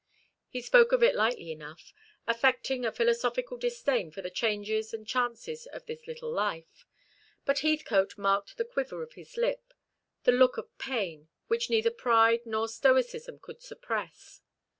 He spoke of it lightly enough, affecting a philosophical disdain for the changes and chances of this little life: but Heathcote marked the quiver of his lip, the look of pain, which neither pride nor stoicism could suppress.